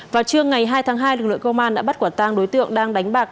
vào trưa ngày hai tháng hai lực lượng công an đã bắt quả tang đối tượng đang đánh bạc